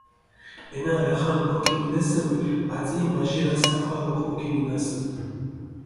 ენა რახან ქოქიმინესჷნი, აწი მაჟირა საქვარი ოკო ქოქიმინასჷნი.